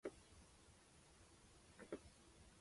橡子织纹螺具有河鲀毒素。